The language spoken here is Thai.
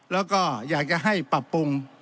แล้วก็อยากจะให้ปรับปรุง